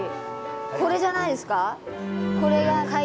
これじゃないですか？